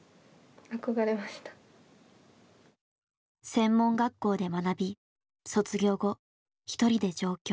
専門学校で学び卒業後一人で上京。